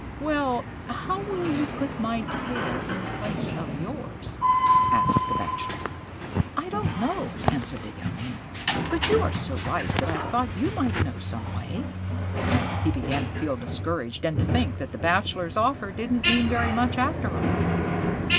"Well, how will you put my tail in place of yours?" asked the Bachelor. "I don't know," answered the young Mink, "but you are so wise that I thought you might know some way." He began to feel discouraged, and to think that the Bachelor's offer didn't mean very much after all.